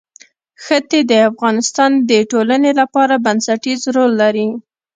ښتې د افغانستان د ټولنې لپاره بنسټيز رول لري.